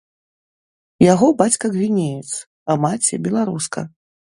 Яго бацька гвінеец, а маці беларуска.